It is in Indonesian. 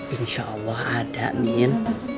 insya allah ada min